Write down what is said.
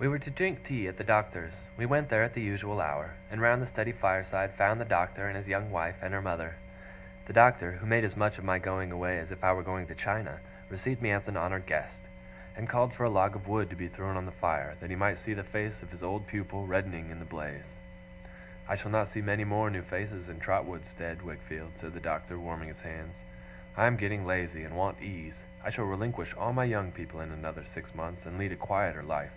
We were to drink tea at the Doctor's. We went there at the usual hour; and round the study fireside found the Doctor, and his young wife, and her mother. The Doctor, who made as much of my going away as if I were going to China, received me as an honoured guest; and called for a log of wood to be thrown on the fire, that he might see the face of his old pupil reddening in the blaze. 'I shall not see many more new faces in Trotwood's stead, Wickfield,' said the Doctor, warming his hands; 'I am getting lazy, and want ease. I shall relinquish all my young people in another six months, and lead a quieter life.